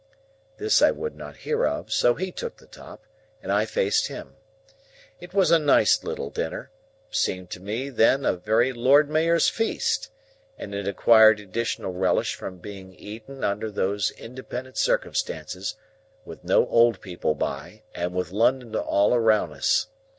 This I would not hear of, so he took the top, and I faced him. It was a nice little dinner,—seemed to me then a very Lord Mayor's Feast,—and it acquired additional relish from being eaten under those independent circumstances, with no old people by, and with London all around us.